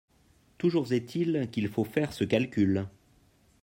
Toujours est-il qu’il faut faire ce calcul.